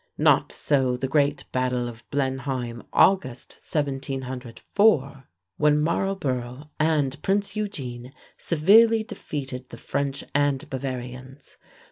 Not so the great battle of Blenheim, August, 1704, when Marlborough and Prince Eugene severely defeated the French and Bavarians.